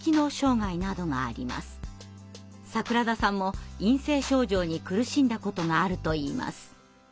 櫻田さんも陰性症状に苦しんだことがあるといいます。